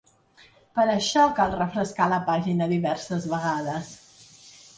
Per això, cal refrescar la pàgina diverses vegades.